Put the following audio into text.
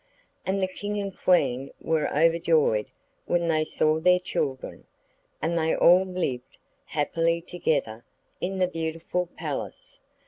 And the King and Queen were overjoyed when they saw their children, and they all lived happily together in the beautiful palace.